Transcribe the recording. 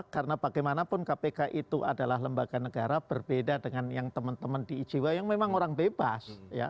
karena bagaimanapun kpk itu adalah lembaga negara berbeda dengan yang teman teman di ijw yang memang orang bebas